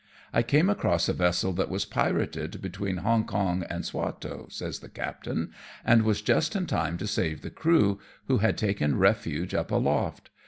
" I came across a vessel that was pirated between Hong Kong and Swatow," says the captain, " and was just in time to save the crew, who had taken refuge up aloft.